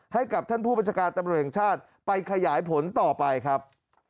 ให้กับท่านผู้บัญชาการตำรวจแห่งชาติไปขยายผลต่อไปครับ